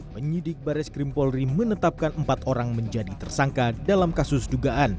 penyidik baris krim polri menetapkan empat orang menjadi tersangka dalam kasus dugaan